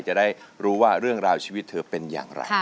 จะได้รู้ว่าเรื่องราวชีวิตเธอเป็นอย่างไร